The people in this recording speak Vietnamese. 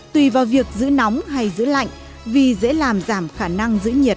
tùy vào việc giữ nóng hay giữ lạnh vì dễ làm giảm khả năng giữ nhiệt